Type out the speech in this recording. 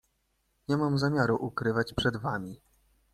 "Nie mam zamiaru ukrywać przed wami."